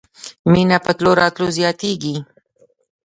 مینه په تلو راتلو زیاتیږي